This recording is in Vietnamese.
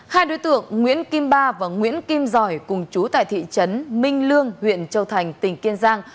hai đối tượng nguyễn kim ba và nguyễn kim giỏi cùng chú tại thị trấn minh lương huyện châu thành tỉnh kiên giang